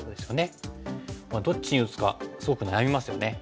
どっちに打つかすごく悩みますよね。